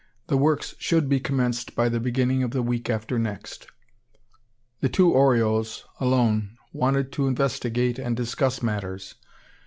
The works should be commenced by the beginning of the week after next. The two Oriols alone wanted to investigate and discuss matters.